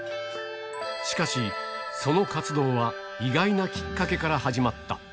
しかし、その活動は意外なきっかけから始まった。